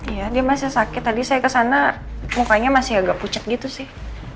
ya dia masih sakit tadi saya kesana mukanya masih agak pucet gitu sih